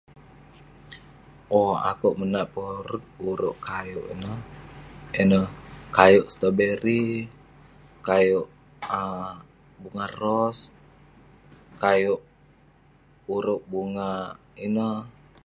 owk, akouk menat porut urouk kayuwk ineh, ineh kayuwk strawberi, kayu um bunga ros, kayuwk uruwk bunga ineh.